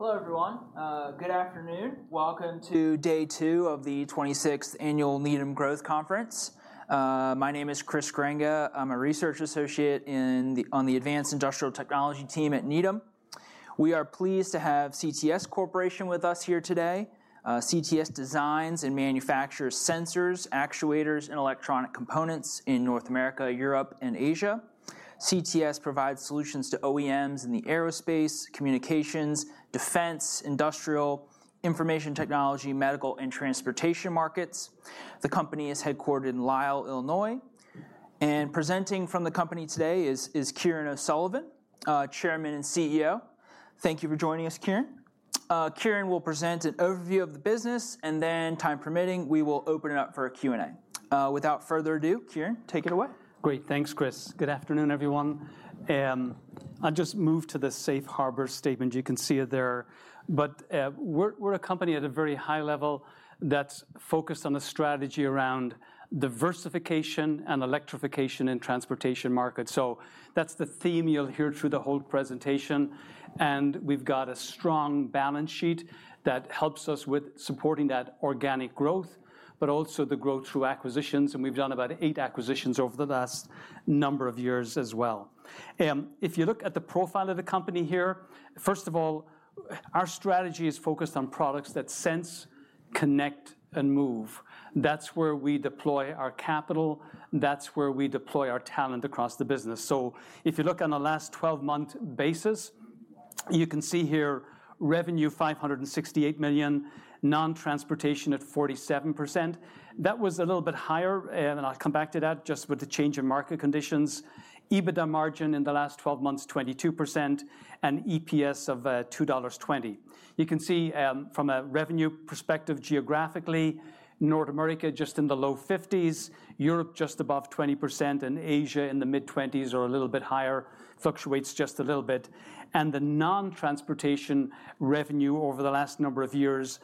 Hello, everyone. Good afternoon. Welcome to day two of the twenty-sixth annual Needham Growth Conference. My name is Chris Grenga. I'm a Research Associate on the Advanced Industrial Technology Team at Needham. We are pleased to have CTS Corporation with us here today. CTS designs and manufactures sensors, actuators, and electronic components in North America, Europe, and Asia. CTS provides solutions to OEMs in the Aerospace, Communications, Defense, Industrial, Information Technology, Medical, and Transportation Markets. The company is headquartered in Lisle, Illinois, and presenting from the company today is Kieran O'Sullivan, Chairman and CEO. Thank you for joining us, Kieran. Kieran will present an overview of the business, and then, time permitting, we will open it up for a Q&A. Without further ado, Kieran, take it away. Great. Thanks, Chris. Good afternoon, everyone. I'll just move to the Safe Harbor statement. You can see it there. But, we're, we're a company at a very high level that's focused on a strategy around diversification and electrification in transportation markets. So that's the theme you'll hear through the whole presentation, and we've got a strong balance sheet that helps us with supporting that organic growth, but also the growth through acquisitions, and we've done about eight acquisitions over the last number of years as well. If you look at the profile of the company here, first of all, our strategy is focused on products that sense, connect, and move. That's where we deploy our capital. That's where we deploy our talent across the business. So if you look on a last twelve-month basis, you can see here revenue $568 million, non-transportation at 47%. That was a little bit higher, and I'll come back to that, just with the change in market conditions. EBITDA margin in the last twelve months, 22%, and EPS of $2.20. You can see from a revenue perspective, geographically, North America just in the low 50s%, Europe just above 20%, and Asia in the mid-20s% or a little bit higher. Fluctuates just a little bit. The non-transportation revenue over the last number of years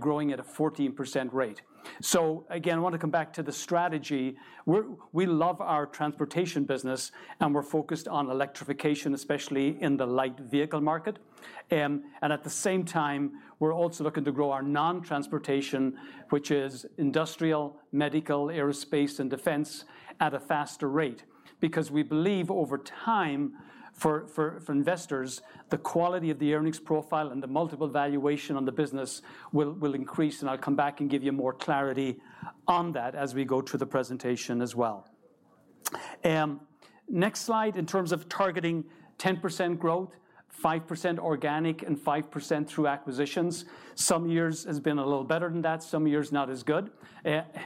growing at a 14% rate. So again, I want to come back to the strategy. We love our transportation business, and we're focused on electrification, especially in the light vehicle market. And at the same time, we're also looking to grow our non-transportation, which is industrial, medical, aerospace, and defense, at a faster rate. Because we believe over time, for investors, the quality of the earnings profile and the multiple valuation on the business will increase, and I'll come back and give you more clarity on that as we go through the presentation as well. Next slide, in terms of targeting 10% growth, 5% organic and 5% through acquisitions. Some years has been a little better than that, some years not as good.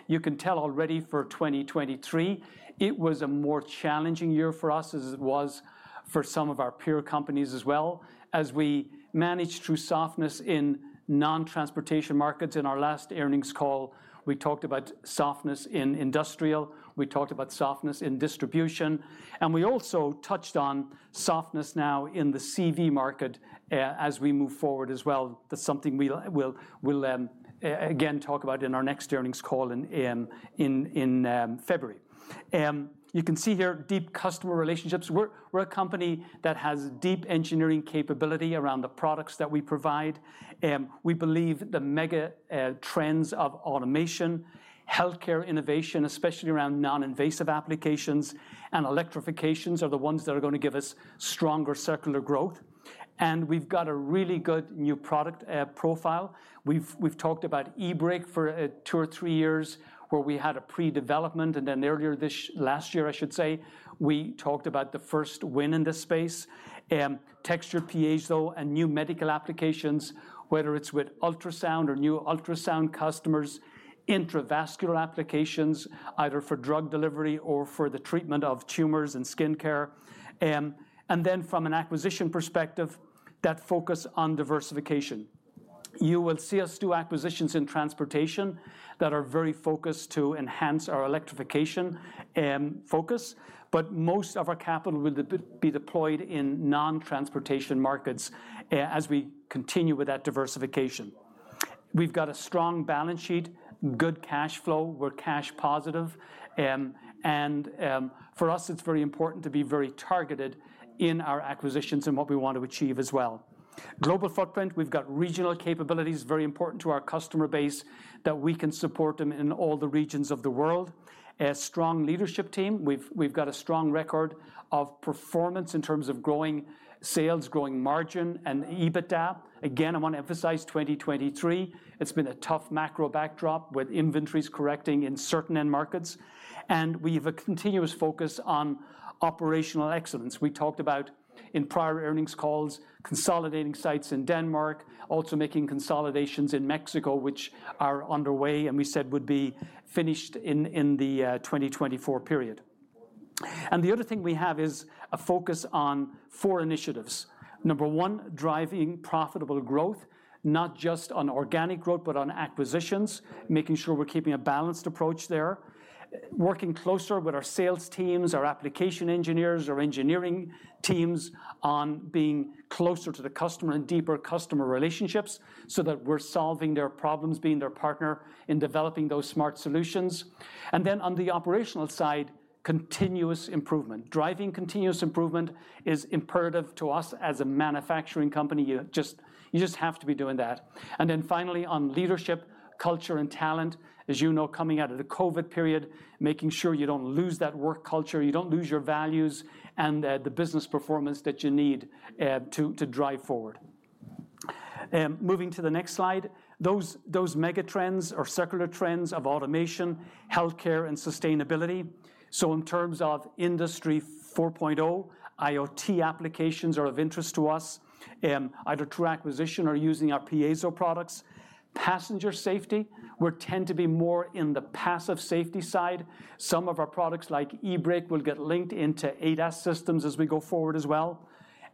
You can tell already for 2023, it was a more challenging year for us, as it was for some of our peer companies as well. As we managed through softness in non-transportation markets. In our last earnings call, we talked about softness in industrial, we talked about softness in distribution, and we also touched on softness now in the CV market as we move forward as well. That's something we'll again talk about in our next earnings call in February. You can see here, deep customer relationships. We're a company that has deep engineering capability around the products that we provide. We believe the mega trends of automation, healthcare innovation, especially around non-invasive applications and electrifications, are the ones that are gonna give us stronger secular growth, and we've got a really good new product profile. We've talked about eBrake for two or three years, where we had a pre-development, and then earlier this... Last year, I should say, we talked about the first win in this space. Textured piezo and new medical applications, whether it's with ultrasound or new ultrasound customers, intravascular applications, either for drug delivery or for the treatment of tumors and skincare. And then from an acquisition perspective, that focus on diversification. You will see us do acquisitions in transportation that are very focused to enhance our electrification focus. But most of our capital will be deployed in non-transportation markets, as we continue with that diversification. We've got a strong balance sheet, good cash flow, we're cash positive, and for us, it's very important to be very targeted in our acquisitions and what we want to achieve as well. Global footprint, we've got regional capabilities, very important to our customer base, that we can support them in all the regions of the world. A strong leadership team. We've, we've got a strong record of performance in terms of growing sales, growing margin, and EBITDA. Again, I want to emphasize 2023, it's been a tough macro backdrop with inventories correcting in certain end markets, and we've a continuous focus on operational excellence. We talked about, in prior earnings calls, consolidating sites in Denmark, also making consolidations in Mexico, which are underway, and we said would be finished in, in the, 2024 period. And the other thing we have is a focus on four initiatives. Number one, driving profitable growth, not just on organic growth, but on acquisitions, making sure we're keeping a balanced approach there. Working closer with our sales teams, our application engineers, our engineering teams on being closer to the customer and deeper customer relationships so that we're solving their problems, being their partner in developing those smart solutions. And then on the operational side, continuous improvement. Driving continuous improvement is imperative to us as a manufacturing company. You just have to be doing that. And then finally, on leadership, culture, and talent, as you know, coming out of the COVID period, making sure you don't lose that work culture, you don't lose your values and the business performance that you need to drive forward. Moving to the next slide, those mega trends or secular trends of automation, healthcare, and sustainability. So in terms of Industry 4.0, IoT applications are of interest to us, either through acquisition or using our piezo products. Passenger safety, we tend to be more in the passive safety side. Some of our products, like eBrake, will get linked into ADAS systems as we go forward as well.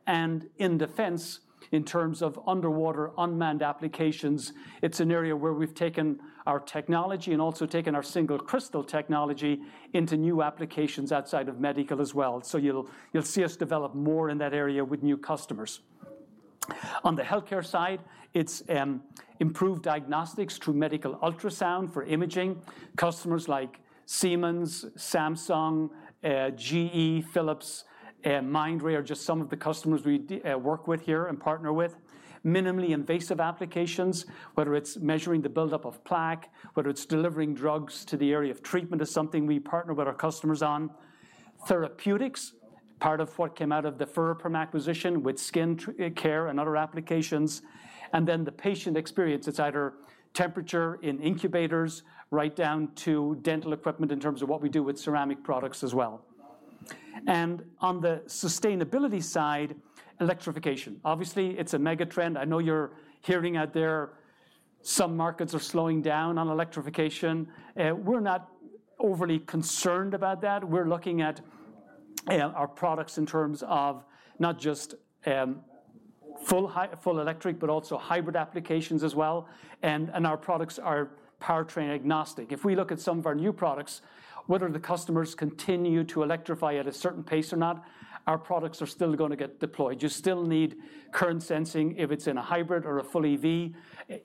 In defense, in terms of underwater unmanned applications, it's an area where we've taken our technology and also taken our single crystal technology into new applications outside of medical as well. So you'll see us develop more in that area with new customers. On the healthcare side, it's improved diagnostics through medical ultrasound for imaging. Customers like Siemens, Samsung, GE, Philips, Mindray are just some of the customers we work with here and partner with. Minimally invasive applications, whether it's measuring the buildup of plaque, whether it's delivering drugs to the area of treatment, is something we partner with our customers on. Therapeutics, part of what came out of the Ferroperm acquisition with skin care and other applications. And then the patient experience, it's either temperature in incubators right down to dental equipment in terms of what we do with ceramic products as well. And on the sustainability side, electrification. Obviously, it's a mega trend. I know you're hearing out there some markets are slowing down on electrification. We're not overly concerned about that. We're looking at our products in terms of not just full electric, but also hybrid applications as well. And our products are powertrain agnostic. If we look at some of our new products, whether the customers continue to electrify at a certain pace or not, our products are still gonna get deployed. You still need current sensing, if it's in a hybrid or a full EV.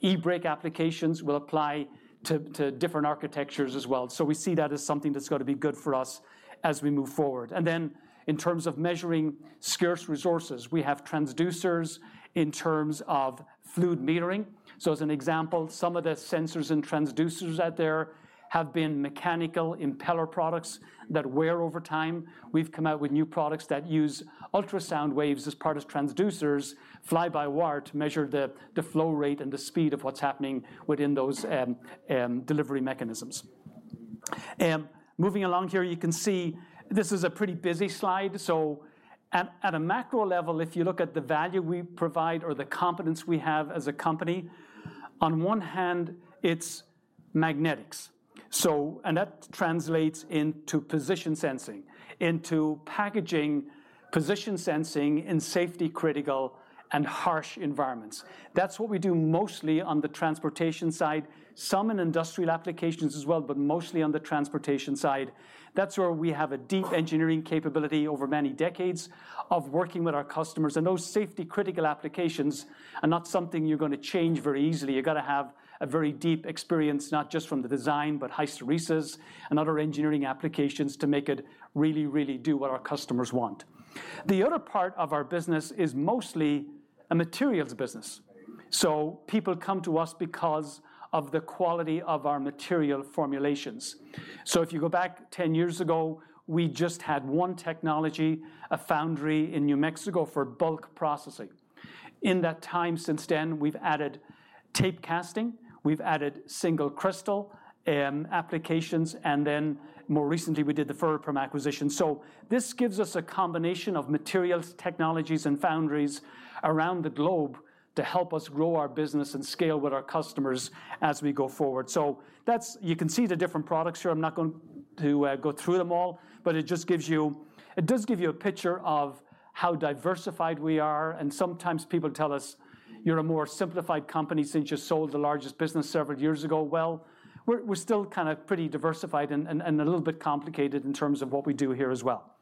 eBrake applications will apply to different architectures as well. So we see that as something that's going to be good for us as we move forward. And then in terms of measuring scarce resources, we have transducers in terms of fluid metering. So as an example, some of the sensors and transducers out there have been mechanical impeller products that wear over time. We've come out with new products that use ultrasound waves as part of transducers, fly-by-wire, to measure the flow rate and the speed of what's happening within those delivery mechanisms. Moving along here, you can see this is a pretty busy slide. So at a macro level, if you look at the value we provide or the competence we have as a company, on one hand, it's magnetics. So... And that translates into position sensing, into packaging position sensing in safety-critical and harsh environments. That's what we do mostly on the transportation side. Some in industrial applications as well, but mostly on the transportation side. That's where we have a deep engineering capability over many decades of working with our customers, and those safety-critical applications are not something you're gonna change very easily. You've got to have a very deep experience, not just from the design, but hysteresis and other engineering applications, to make it really, really do what our customers want. The other part of our business is mostly a materials business. So people come to us because of the quality of our material formulations. So if you go back 10 years ago, we just had one technology, a foundry in New Mexico for bulk processing. In that time since then, we've added tape casting, we've added single crystal applications, and then more recently, we did the Ferroperm acquisition. So this gives us a combination of materials, technologies, and foundries around the globe to help us grow our business and scale with our customers as we go forward. So that's—you can see the different products here. I'm not going to go through them all, but it just gives you it does give you a picture of how diversified we are, and sometimes people tell us, "You're a more simplified company since you sold the largest business several years ago." Well, we're still kind a pretty diversified and a little bit complicated in terms of what we do here as well.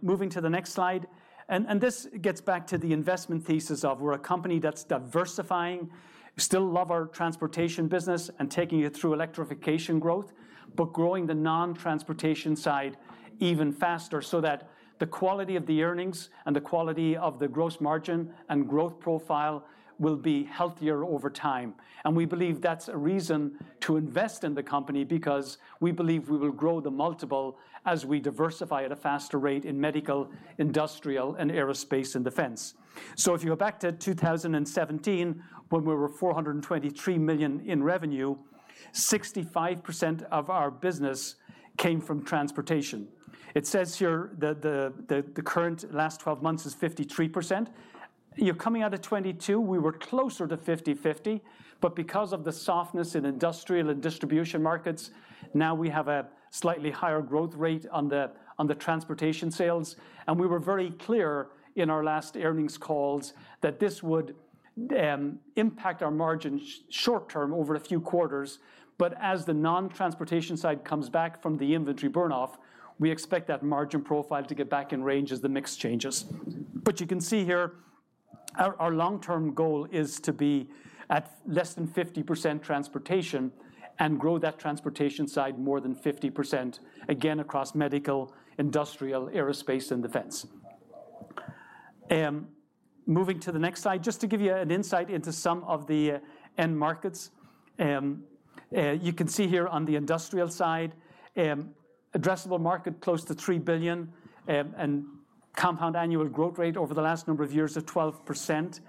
Moving to the next slide, and this gets back to the investment thesis of we're a company that's diversifying. We still love our transportation business and taking it through electrification growth, but growing the non-transportation side even faster, so that the quality of the earnings and the quality of the gross margin and growth profile will be healthier over time. And we believe that's a reason to invest in the company because we believe we will grow the multiple as we diversify at a faster rate in medical, industrial, and aerospace and defense. So if you go back to 2017, when we were $423 million in revenue, 65% of our business came from transportation. It says here that the current last twelve months is 53%. You're coming out of 2022, we were closer to 50/50, but because of the softness in industrial and distribution markets, now we have a slightly higher growth rate on the transportation sales. We were very clear in our last earnings calls that this would impact our margins short term over a few quarters. But as the non-transportation side comes back from the inventory burn-off, we expect that margin profile to get back in range as the mix changes. But you can see here. Our long-term goal is to be at less than 50% transportation and grow that transportation side more than 50%, again, across medical, industrial, aerospace, and defense. Moving to the next slide, just to give you an insight into some of the end markets. You can see here on the industrial side, addressable market close to $3 billion, and compound annual growth rate over the last number of years of 12%.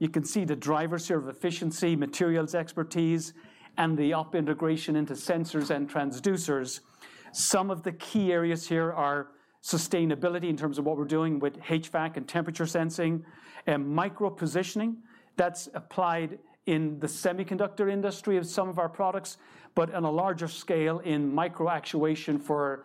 You can see the drivers here of efficiency, materials, expertise, and the up integration into sensors and transducers. Some of the key areas here are sustainability in terms of what we're doing with HVAC and temperature sensing, micro positioning, that's applied in the semiconductor industry of some of our products, but on a larger scale, in micro actuation for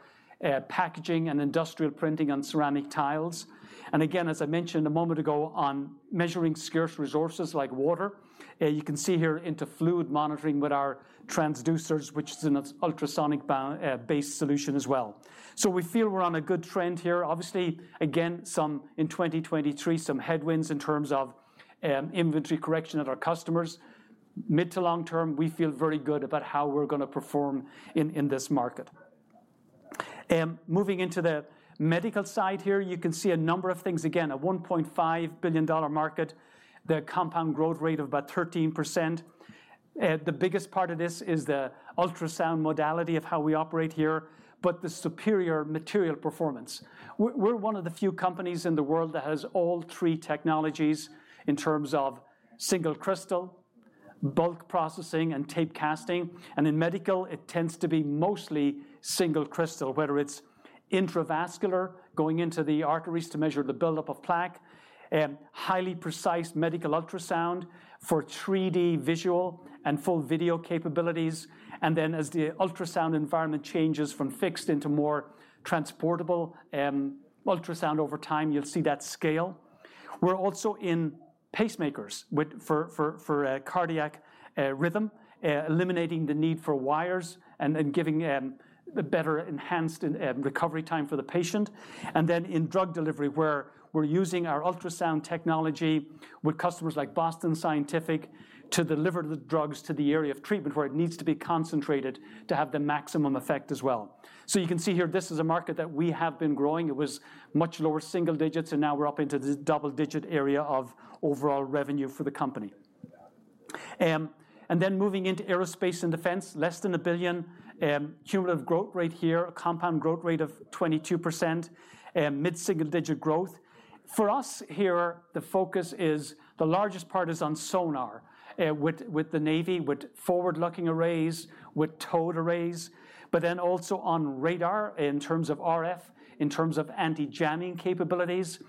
packaging and industrial printing on ceramic tiles. And again, as I mentioned a moment ago, on measuring scarce resources like water, you can see here into fluid monitoring with our transducers, which is an ultrasonic based solution as well. So we feel we're on a good trend here. Obviously, again, some... In 2023, some headwinds in terms of inventory correction at our customers. Mid to long term, we feel very good about how we're gonna perform in this market. Moving into the medical side here, you can see a number of things. Again, a $1.5 billion market, the compound growth rate of about 13%. The biggest part of this is the Ultrasound modality of how we operate here, but the superior material performance. We're one of the few companies in the world that has all three technologies in terms of Single Crystal, Bulk Processing, and Tape Casting, and in medical, it tends to be mostly Single Crystal. Whether it's Intravascular, going into the arteries to measure the buildup of plaque, highly precise medical Ultrasound for 3D visual and full video capabilities, and then as the Ultrasound environment changes from fixed into more transportable, Ultrasound, over time, you'll see that scale. We're also in pacemakers with... for cardiac rhythm, eliminating the need for wires and giving a better enhanced recovery time for the patient. And then in drug delivery, where we're using our ultrasound technology with customers like Boston Scientific, to deliver the drugs to the area of treatment where it needs to be concentrated to have the maximum effect as well. So you can see here, this is a market that we have been growing. It was much lower single digits, and now we're up into the double-digit area of overall revenue for the company. And then moving into aerospace and defense, less than a billion cumulative growth rate here, a compound growth rate of 22%, mid-single-digit growth. For us here, the focus is, the largest part is on sonar, with, with the Navy, with forward-looking arrays, with towed arrays, but then also on radar in terms of RF, in terms of anti-jamming capabilities.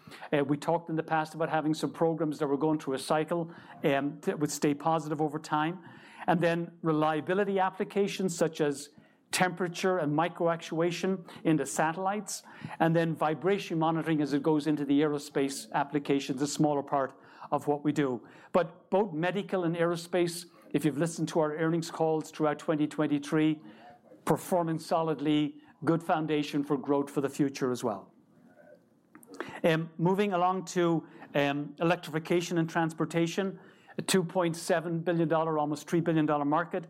We talked in the past about having some programs that were going through a cycle, that would stay positive over time. And then reliability applications such as temperature and micro actuation into satellites, and then vibration monitoring as it goes into the aerospace applications, a smaller part of what we do. But both medical and aerospace, if you've listened to our earnings calls throughout 2023, performing solidly, good foundation for growth for the future as well. Moving along to, electrification and transportation, a $2.7 billion, almost $3 billion market.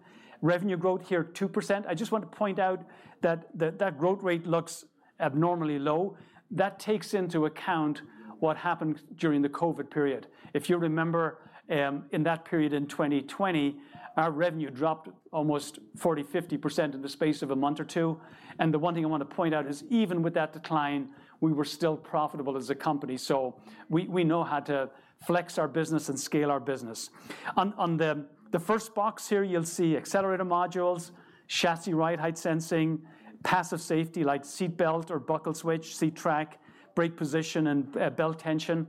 Revenue growth here, 2%. I just want to point out that that growth rate looks abnormally low. That takes into account what happened during the COVID period. If you remember, in that period in 2020, our revenue dropped almost 40%-50% in the space of a month or two, and the one thing I want to point out is even with that decline, we were still profitable as a company. So we know how to flex our business and scale our business. On the first box here, you'll see accelerator modules, chassis ride height sensing, passive safety like seat belt or buckle switch, seat track, brake position, and belt tension.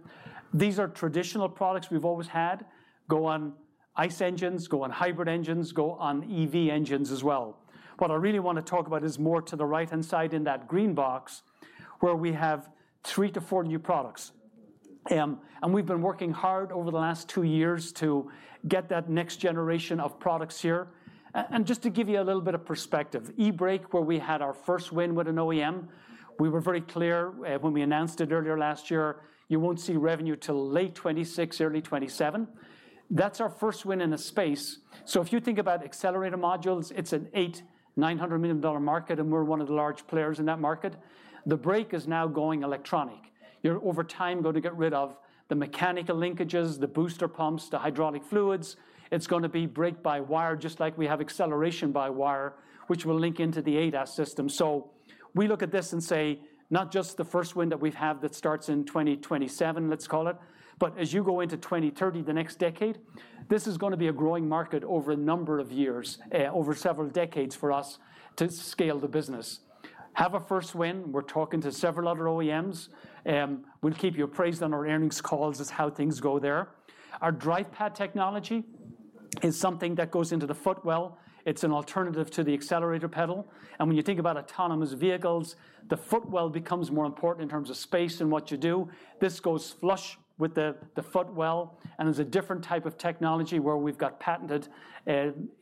These are traditional products we've always had, go on ICE engines, go on hybrid engines, go on EV engines as well. What I really want to talk about is more to the right-hand side in that green box, where we have 3-4 new products. And we've been working hard over the last two years to get that next generation of products here. And just to give you a little bit of perspective, eBrake, where we had our first win with an OEM, we were very clear, when we announced it earlier last year, you won't see revenue till late 2026, early 2027. That's our first win in a space. So if you think about accelerator modules, it's an $800-$900 million market, and we're one of the large players in that market. The brake is now going electronic. You're, over time, going to get rid of the mechanical linkages, the booster pumps, the hydraulic fluids. It's gonna be brake-by-wire, just like we have acceleration-by-wire, which will link into the ADAS System. So we look at this and say, not just the first win that we've had that starts in 2027, let's call it, but as you go into 2030, the next decade, this is gonna be a growing market over a number of years, over several decades for us to scale the business. Have a first win. We're talking to several other OEMs, we'll keep you appraised on our earnings calls as how things go there. Our drive pad technology is something that goes into the footwell. It's an alternative to the accelerator pedal, and when you think about autonomous vehicles, the footwell becomes more important in terms of space and what you do. This goes flush with the footwell and is a different type of technology where we've got patented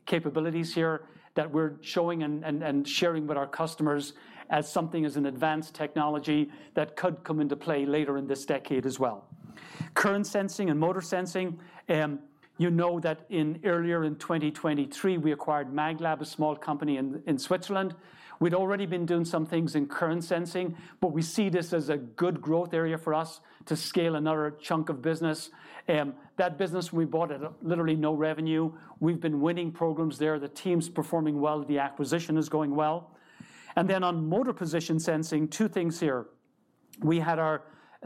capabilities here that we're showing and sharing with our customers as something as an advanced technology that could come into play later in this decade as well. Current sensing and motor sensing, you know that in earlier in 2023, we acquired maglab, a small company in Switzerland. We'd already been doing some things in current sensing, but we see this as a good growth area for us to scale another chunk of business. That business, we bought at literally no revenue. We've been winning programs there. The team's performing well, the acquisition is going well. And then on motor position sensing, two things here.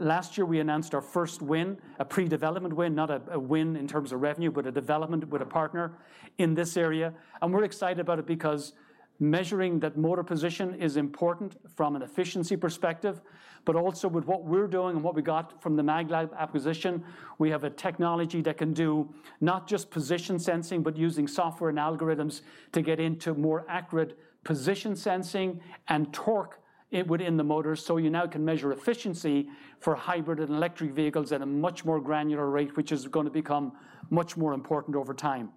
Last year, we announced our first win, a pre-development win, not a, a win in terms of revenue, but a development with a partner in this area. We're excited about it because measuring that motor position is important from an efficiency perspective, but also with what we're doing and what we got from the maglab acquisition, we have a technology that can do not just position sensing, but using software and algorithms to get into more accurate position sensing and torque it within the motor. So you now can measure efficiency for hybrid and electric vehicles at a much more granular rate, which is gonna become much more important over time.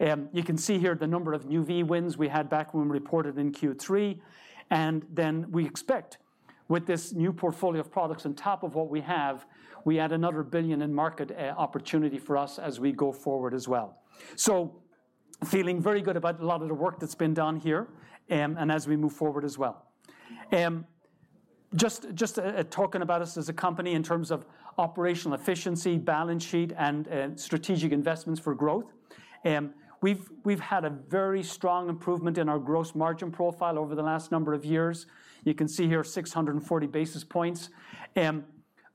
You can see here the number of new EV wins we had back when we reported in Q3, and then we expect with this new portfolio of products on top of what we have, we add another $1 billion in market opportunity for us as we go forward as well. So feeling very good about a lot of the work that's been done here, and as we move forward as well. Just talking about us as a company in terms of operational efficiency, balance sheet, and strategic investments for growth, we've had a very strong improvement in our gross margin profile over the last number of years. You can see here 640 basis points.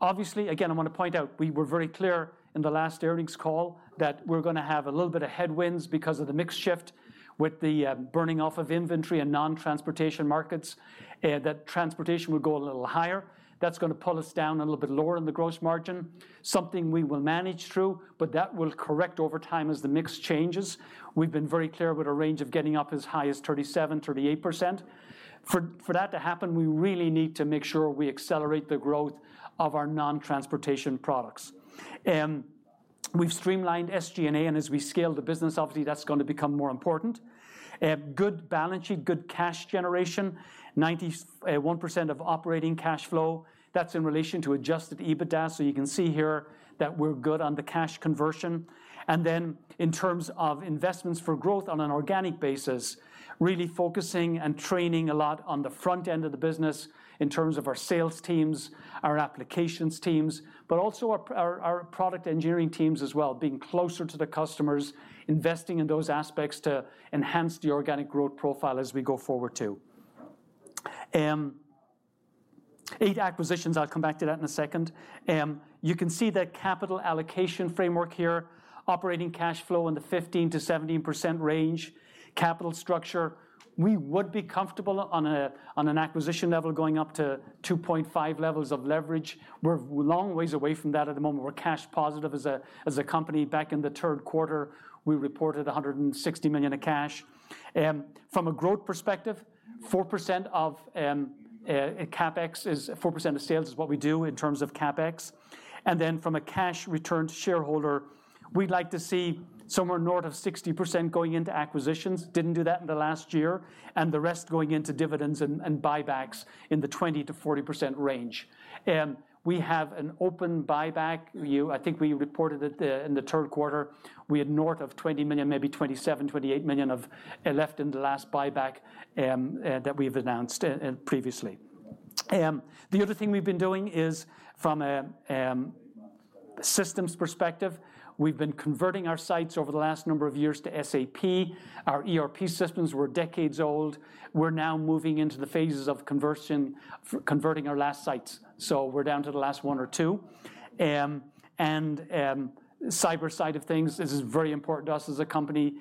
Obviously, again, I wanna point out, we were very clear in the last earnings call that we're gonna have a little bit of headwinds because of the mix shift with the burning off of inventory and non-transportation markets that transportation will go a little higher. That's gonna pull us down a little bit lower in the gross margin. Something we will manage through, but that will correct over time as the mix changes. We've been very clear with a range of getting up as high as 37%-38%. For that to happen, we really need to make sure we accelerate the growth of our non-transportation products. We've streamlined SG&A, and as we scale the business, obviously, that's gonna become more important. Good balance sheet, good cash generation, 91% of operating cash flow. That's in relation to Adjusted EBITDA, so you can see here that we're good on the cash conversion. And then in terms of investments for growth on an organic basis, really focusing and training a lot on the front end of the business in terms of our Sales Teams, our Applications Teams, but also our product engineering teams as well, being closer to the customers, investing in those aspects to enhance the organic growth profile as we go forward, too. Eight acquisitions, I'll come back to that in a second. You can see the capital allocation framework here, operating cash flow in the 15%-17% range, capital structure. We would be comfortable on an acquisition level, going up to 2.5 levels of leverage. We're a long ways away from that at the moment. We're cash positive as a, as a company. Back in the third quarter, we reported $160 million of cash. From a growth perspective, 4% of CapEx is... 4% of sales is what we do in terms of CapEx. And then from a cash return to shareholder, we'd like to see somewhere north of 60% going into acquisitions. Didn't do that in the last year, and the rest going into dividends and buybacks in the 20%-40% range. We have an open buyback view. I think we reported it the, in the third quarter. We had north of $20 million, maybe $27-$28 million of left in the last buyback that we've announced previously. The other thing we've been doing is from a systems perspective, we've been converting our sites over the last number of years to SAP. Our ERP systems were decades old. We're now moving into the phases of conversion, converting our last sites. So we're down to the last one or two. And, cyber side of things, this is very important to us as a company.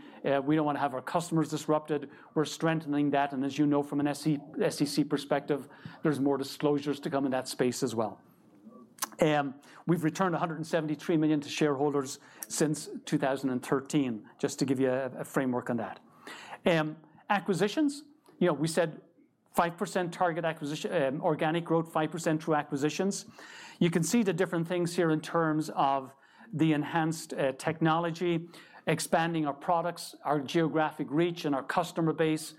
We don't wanna have our customers disrupted. We're strengthening that, and as you know from an SEC perspective, there's more disclosures to come in that space as well. We've returned $173 million to shareholders since 2013, just to give you a framework on that. Acquisitions, you know, we said 5% target acquisition, organic growth, 5% through acquisitions. You can see the different things here in terms of the enhanced technology, expanding our products, our geographic reach, and our customer base.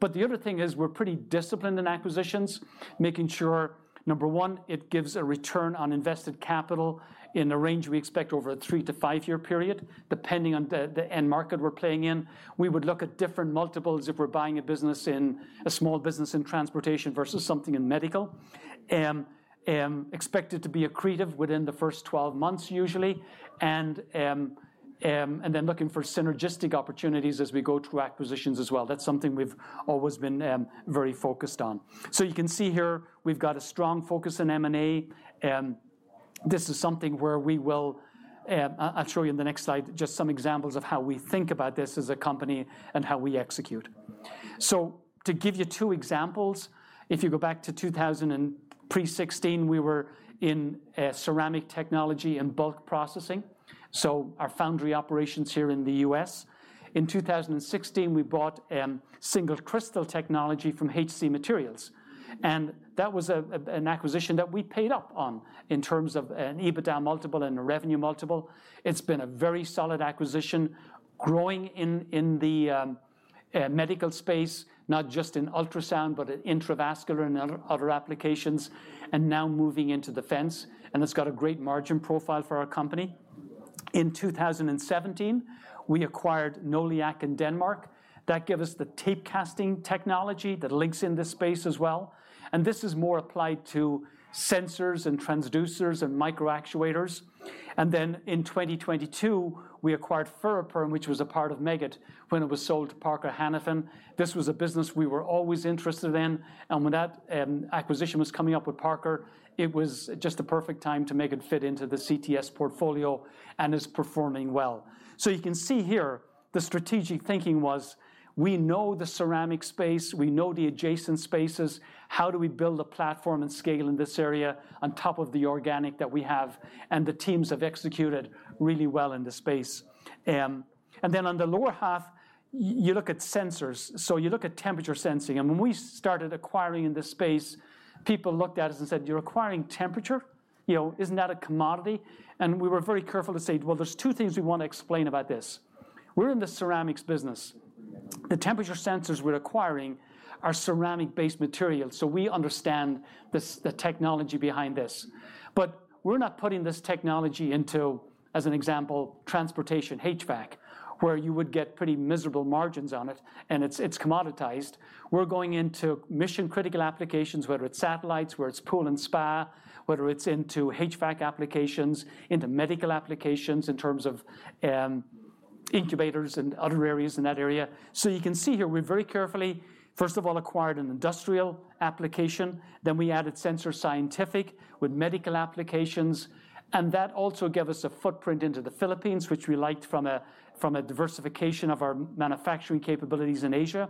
But the other thing is we're pretty disciplined in acquisitions, making sure, number one, it gives a return on invested capital in the range we expect over a 3- to 5-year period, depending on the end market we're playing in. We would look at different multiples if we're buying a business in a small business in transportation versus something in medical. Expected to be accretive within the first 12 months, usually, and then looking for synergistic opportunities as we go through acquisitions as well. That's something we've always been very focused on. So you can see here we've got a strong focus in M&A, this is something where we will... I'll show you in the next slide, just some examples of how we think about this as a company and how we execute. So to give you two examples, if you go back to 2000 and pre-2016, we were in ceramic technology and bulk processing, so our foundry operations here in the U.S. In 2016, we bought single crystal technology from HC Materials, and that was an acquisition that we paid up on in terms of an EBITDA multiple and a revenue multiple. It's been a very solid acquisition, growing in the medical space, not just in ultrasound, but in intravascular and other applications, and now moving into defense, and it's got a great margin profile for our company. In 2017, we acquired Noliac in Denmark. That gave us the Tape Casting Technology that links in this space as well, and this is more applied to sensors and transducers and microactuators. And then in 2022, we acquired Ferroperm, which was a part of Meggitt when it was sold to Parker Hannifin. This was a business we were always interested in, and when that, um, acquisition was coming up with Parker, it was just the perfect time to make it fit into the CTS portfolio, and is performing well. So you can see here, the strategic thinking was: we know the ceramic space, we know the adjacent spaces. How do we build a platform and scale in this area on top of the organic that we have? And the teams have executed really well in this space. And then on the lower half, you look at sensors. So you look at temperature sensing, and when we started acquiring in this space, people looked at us and said, "You're acquiring temperature? You know, isn't that a commodity?" And we were very careful to say, "Well, there's two things we want to explain about this. We're in the ceramics business. The temperature sensors we're acquiring are ceramic-based materials, so we understand the technology behind this. But we're not putting this technology into, as an example, Transportation HVAC, where you would get pretty miserable margins on it, and it's commoditized. We're going into mission-critical applications, whether it's satellites, whether it's pool and spa, whether it's into HVAC applications, into medical applications in terms of, incubators and other areas in that area." So you can see here, we very carefully, first of all, acquired an industrial application, then we added Sensor Scientific with medical applications, and that also gave us a footprint into the Philippines, which we liked from a diversification of our manufacturing capabilities in Asia.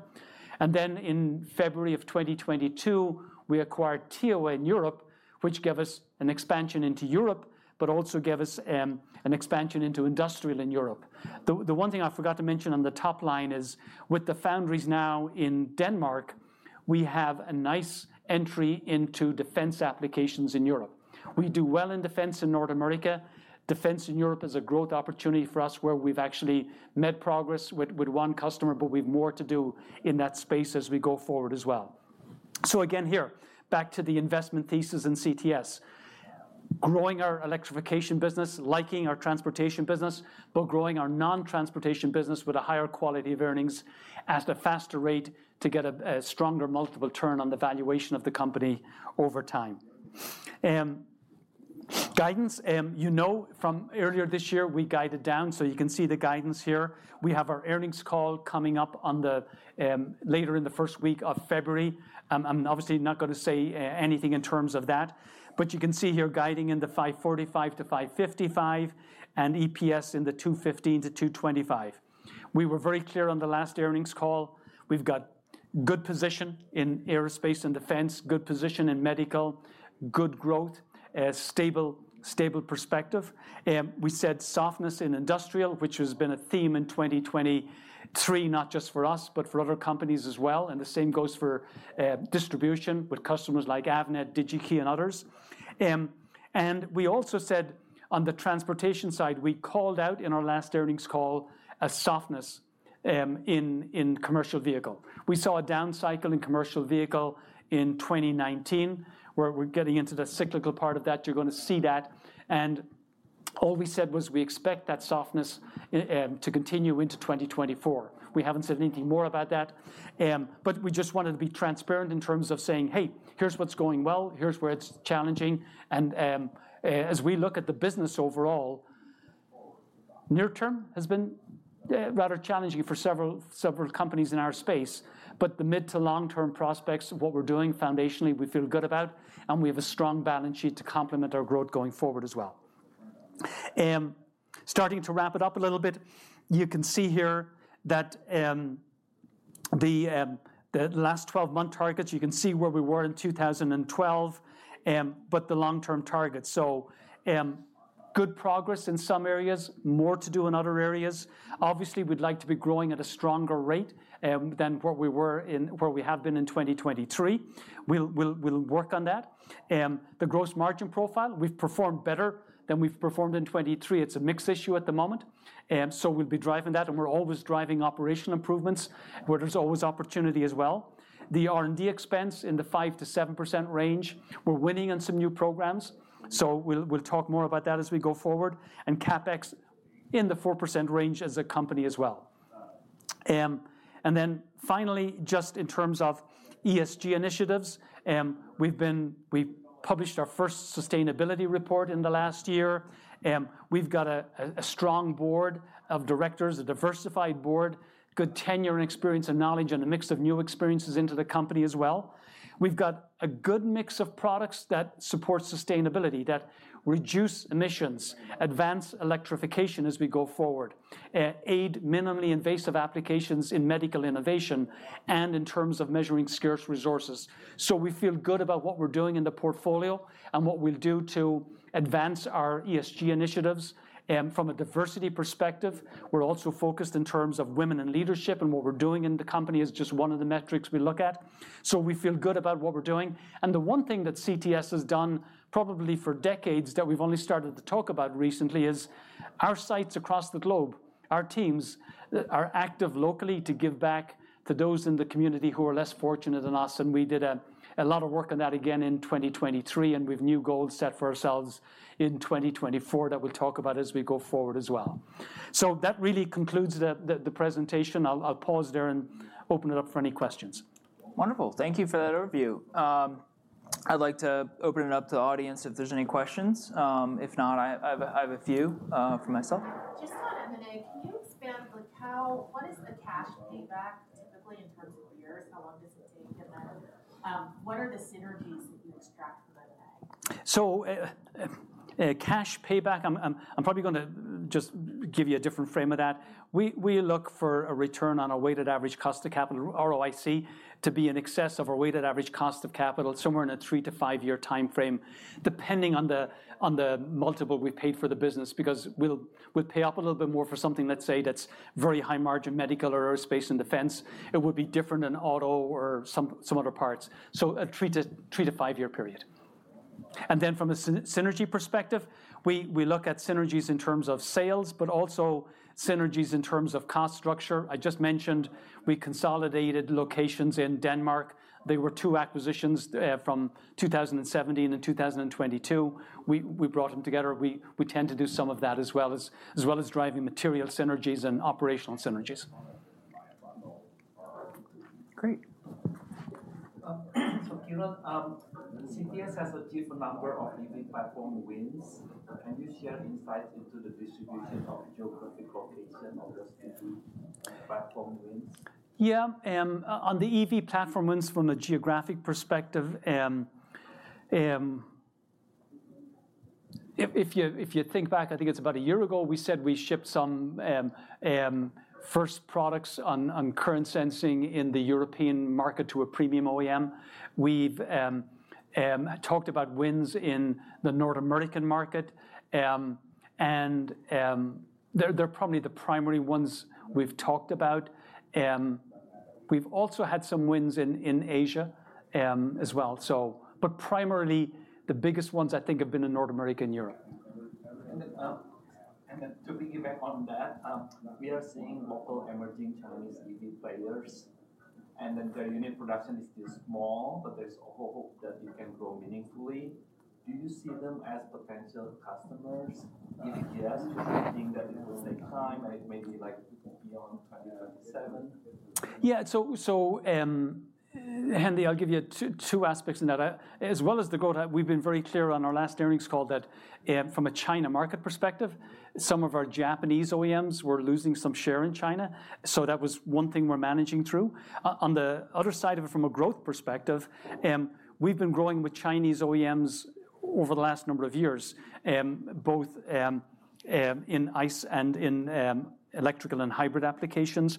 And then in February of 2022, we acquired TEWA in Europe, which gave us an expansion into Europe, but also gave us an expansion into industrial in Europe. The one thing I forgot to mention on the top line is, with the foundries now in Denmark, we have a nice entry into defense applications in Europe. We do well in defense in North America. Defense in Europe is a growth opportunity for us, where we've actually made progress with one customer, but we've more to do in that space as we go forward as well. So again, here, back to the investment thesis in CTS. Growing our electrification business, liking our transportation business, but growing our non-transportation business with a higher quality of earnings at a faster rate to get a stronger multiple turn on the valuation of the company over time. Guidance, you know from earlier this year, we guided down, so you can see the guidance here. We have our earnings call coming up on the later in the first week of February. I'm obviously not gonna say anything in terms of that, but you can see here, guiding in the $545 million-$555 million, and EPS in the $2.15-$2.25. We were very clear on the last earnings call. We've got good position in aerospace and defense, good position in medical, good growth, a stable, stable perspective. We said softness in industrial, which has been a theme in 2023, not just for us, but for other companies as well, and the same goes for distribution with customers like Avnet, Digi-Key, and others. And we also said on the transportation side, we called out in our last earnings call, a softness in commercial vehicle. We saw a down cycle in commercial vehicle in 2019, where we're getting into the cyclical part of that. You're gonna see that, and all we said was, we expect that softness to continue into 2024. We haven't said anything more about that, but we just wanted to be transparent in terms of saying, "Hey, here's what's going well, here's where it's challenging." And, as we look at the business overall, near term has been rather challenging for several, several companies in our space, but the mid to long-term prospects of what we're doing foundationally, we feel good about, and we have a strong balance sheet to complement our growth going forward as well. Starting to wrap it up a little bit. You can see here that the last twelve-month targets, you can see where we were in 2012, but the long-term target. So, good progress in some areas, more to do in other areas. Obviously, we'd like to be growing at a stronger rate than what we were in... where we have been in 2023. We'll work on that. The gross margin profile, we've performed better than we've performed in 2023. It's a mixed issue at the moment, so we'll be driving that, and we're always driving operational improvements, where there's always opportunity as well. The R&D expense in the 5%-7% range, we're winning on some new programs. So we'll talk more about that as we go forward. And CapEx in the 4% range as a company as well. And then finally, just in terms of ESG initiatives, we've published our first sustainability report in the last year. We've got a strong board of directors, a diversified board, good tenure and experience and knowledge, and a mix of new experiences into the company as well. We've got a good mix of products that support sustainability, that reduce emissions, advance electrification as we go forward, aid minimally invasive applications in medical innovation, and in terms of measuring scarce resources. So we feel good about what we're doing in the portfolio and what we'll do to advance our ESG initiatives. From a diversity perspective, we're also focused in terms of women in leadership, and what we're doing in the company is just one of the metrics we look at. So we feel good about what we're doing. The one thing that CTS has done, probably for decades, that we've only started to talk about recently, is our sites across the globe, our teams, are active locally to give back to those in the community who are less fortunate than us, and we did a lot of work on that again in 2023, and we've new goals set for ourselves in 2024 that we'll talk about as we go forward as well. So that really concludes the presentation. I'll pause there and open it up for any questions. Wonderful. Thank you for that overview. I'd like to open it up to the audience if there's any questions. If not, I have a few for myself. Just on M&A, can you expand, like, how—what is the cash payback typically in terms of years? How long does it take? And then, what are the synergies that you extract from M&A? So, cash payback, I'm probably gonna just give you a different frame of that. We look for a return on a weighted average cost of capital, ROIC, to be in excess of our weighted average cost of capital, somewhere in a 3- to 5-year timeframe, depending on the multiple we paid for the business. Because we'll pay up a little bit more for something, let's say, that's very high-margin medical or aerospace and defense. It would be different in auto or some other parts, so a 3- to 5-year period. And then, from a synergy perspective, we look at synergies in terms of sales, but also synergies in terms of cost structure. I just mentioned we consolidated locations in Denmark. They were two acquisitions from 2017 and 2022. We brought them together. We tend to do some of that as well as driving material synergies and operational synergies. Great. So, Kieran, CTS has a good number of EV platform wins. Can you share insights into the distribution of geographic location of the EV platform wins? Yeah, on the EV platform wins from a geographic perspective... If you think back, I think it's about a year ago, we said we shipped some first products on current sensing in the European market to a premium OEM. We've talked about wins in the North American market, and they're probably the primary ones we've talked about. We've also had some wins in Asia as well, so... But primarily, the biggest ones I think have been in North America and Europe. And then, and then to piggyback on that, we are seeing local emerging Chinese EV players, and then their unit production is still small, but there's a hope that it can grow meaningfully. Do you see them as potential customers? If yes, do you think that it will take time, and it may be, like, beyond 2037? Yeah. So, Henry, I'll give you two aspects in that. As well as the growth, we've been very clear on our last earnings call that, from a China market perspective, some of our Japanese OEMs were losing some share in China, so that was one thing we're managing through. On the other side of it, from a growth perspective, we've been growing with Chinese OEMs over the last number of years, both in ICE and in electrical and hybrid applications.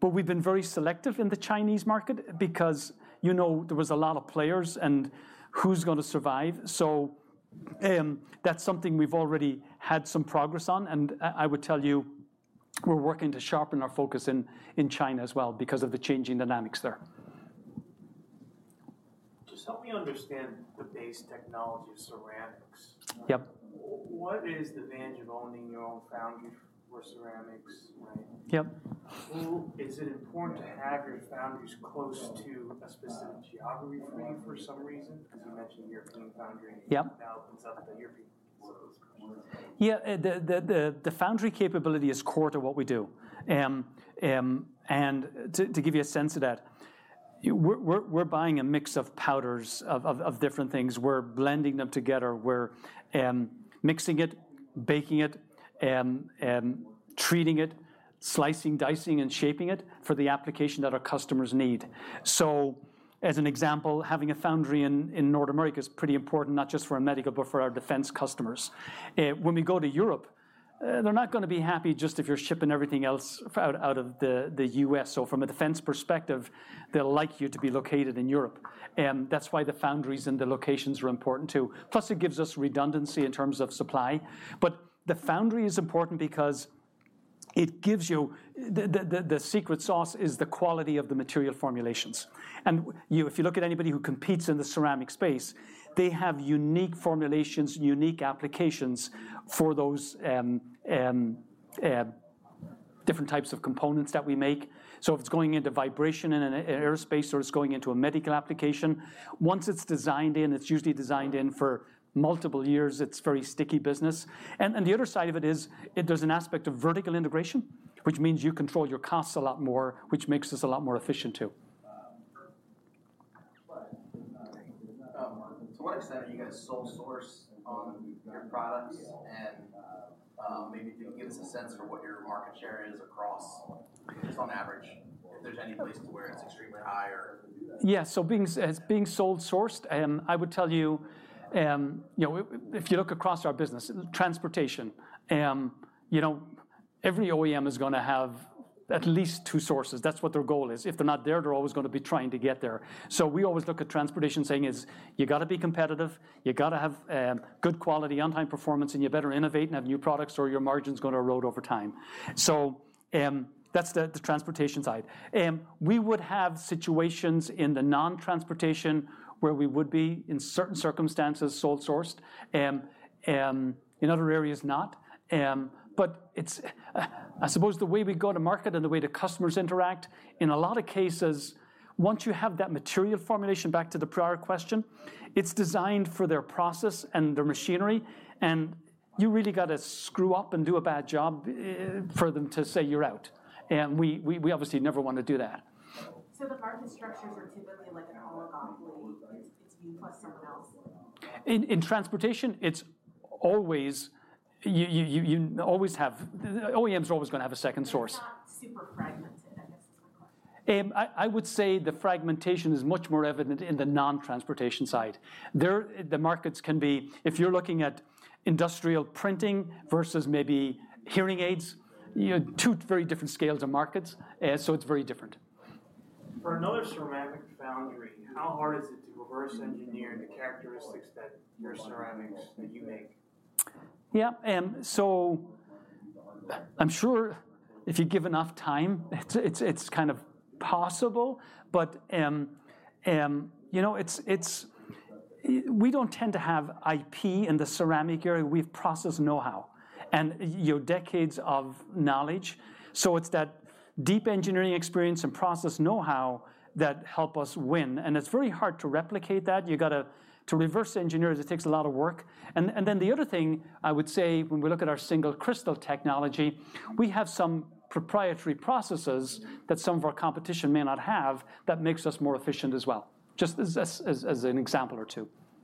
But we've been very selective in the Chinese market because, you know, there was a lot of players, and who's gonna survive? So, that's something we've already had some progress on, and I would tell you, we're working to sharpen our focus in China as well because of the changing dynamics there. Just help me understand the base technology of ceramics. Yep. What is the advantage of owning your own foundry for ceramics, right? Yep. Is it important to have your foundries close to a specific geography for you for some reason? Because you mentioned European foundry- Yep And now something in Europe. Yeah. The foundry capability is core to what we do. And to give you a sense of that, we're buying a mix of powders, of different things. We're blending them together. We're mixing it, baking it, treating it, slicing, dicing, and shaping it for the application that our customers need. So, as an example, having a foundry in North America is pretty important, not just for our medical, but for our defense customers. When we go to Europe, they're not gonna be happy just if you're shipping everything else out of the U.S. So from a defense perspective, they'll like you to be located in Europe, and that's why the foundries and the locations are important, too. Plus, it gives us redundancy in terms of supply. But the foundry is important because it gives you the secret sauce. The secret sauce is the quality of the material formulations. And if you look at anybody who competes in the ceramic space, they have unique formulations, unique applications for those, different types of components that we make. So if it's going into vibration in an aerospace, or it's going into a medical application, once it's designed in, it's usually designed in for multiple years. It's very sticky business. And the other side of it is, there's an aspect of vertical integration, which means you control your costs a lot more, which makes us a lot more efficient, too. To what extent are you guys sole source on your products? And, maybe can you give us a sense for what your market share is across, just on average, if there's any place where it's extremely high or- Yeah. So being sole sourced, I would tell you, you know, if you look across our business, transportation, you know, every OEM is gonna have at least two sources. That's what their goal is. If they're not there, they're always gonna be trying to get there. So we always look at transportation, saying, "You gotta be competitive, you gotta have good quality, on-time performance, and you better innovate and have new products, or your margin's gonna erode over time." So, that's the transportation side. We would have situations in the non-transportation, where we would be, in certain circumstances, sole sourced, in other areas, not. But it's, I suppose, the way we go to market and the way the customers interact. In a lot of cases, once you have that material formulation, back to the prior question, it's designed for their process and their machinery, and you really got to screw up and do a bad job for them to say, "You're out." And we obviously never want to do that. The market structures are typically like an oligopoly. It's you plus someone else? In transportation, it's always... You always have... OEMs are always gonna have a second source. They're not super fragmented, I guess, is my question? I would say the fragmentation is much more evident in the non-transportation side. There, the markets can be... If you're looking at industrial printing versus maybe hearing aids, you know, two very different scales of markets, so it's very different. For another ceramic foundry, how hard is it to reverse engineer the characteristics that your ceramics that you make? Yeah. So I'm sure if you give enough time, it's kind of possible. But, you know, it's - we don't tend to have IP in the ceramic area. We have process know-how, and, you know, decades of knowledge. So it's that deep engineering experience and process know-how that help us win, and it's very hard to replicate that. You gotta - to reverse engineer it, it takes a lot of work. And, then, the other thing I would say, when we look at our Single Crystal technology, we have some proprietary processes that some of our competition may not have, that makes us more efficient as well, just as an example or two.